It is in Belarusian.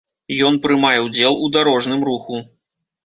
Ён прымае ўдзел у дарожным руху.